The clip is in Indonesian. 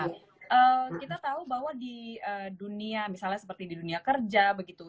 nah kita tahu bahwa di dunia misalnya seperti di dunia kerja begitu